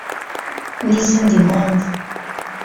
n’izindi mpamvu